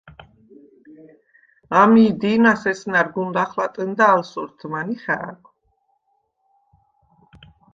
ამი̄ დი̄ნას ესნა̈რ გუნ ლახლატჷნდა ალ სორთმან ი ხა̄̈ქუ̂: